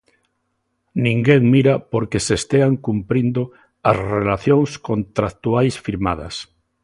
Ninguén mira por que se estean cumprindo as relacións contractuais firmadas.